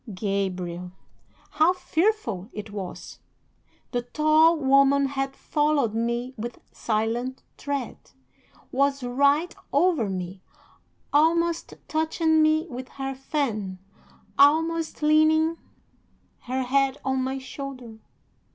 Gabriel! how fearful it was! The tall woman had followed me with silent tread, was right over me, almost touching me with her fan, almost leaning her head on my shoulder.